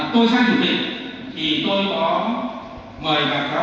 thế thì hai trăm linh cái thì đâu cũng chỉ hết có